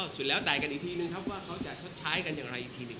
สุดแล้วแต่กันอีกทีนึงครับว่าเขาจะชดใช้กันอย่างไรอีกทีหนึ่ง